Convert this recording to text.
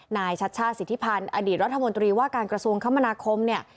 ชัชชาติสิทธิพันธ์อดีตรัฐมนตรีว่าการกระทรวงคมนาคมเนี่ย